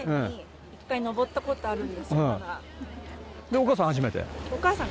お母さん初めて？